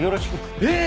えっ！